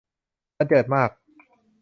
บรรเจิดมาก